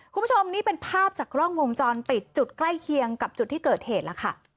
คุณผู้ชมนี่เป็นภาพจากกล้องวงจรปิดจุดใกล้เคียงกับจุดที่เกิดเหตุแล้วค่ะ